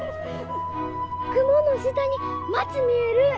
雲の下に町見える！